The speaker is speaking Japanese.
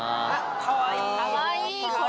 かわいい。